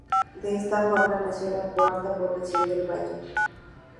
De esta forma nació la cuarta población del valle.